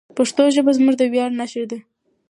پښتو ژبه زموږ د ویاړ نښه ده.